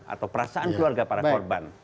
atau perasaan keluarga para korban